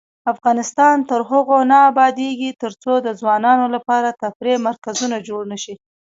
افغانستان تر هغو نه ابادیږي، ترڅو د ځوانانو لپاره تفریحي مرکزونه جوړ نشي.